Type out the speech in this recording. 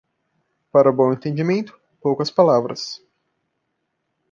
Para o bom entendimento, poucas palavras.